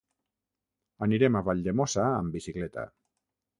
Anirem a Valldemossa amb bicicleta.